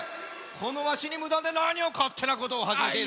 このわしにむだんでなにをかってなことをはじめている。